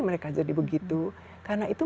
mereka jadi begitu karena itu